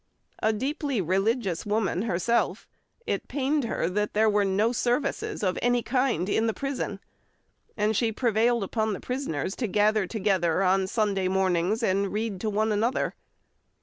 A deeply religious woman herself, it pained her that there were no services of any kind in the prison, and she prevailed upon the prisoners to gather together on Sunday mornings and read to one another.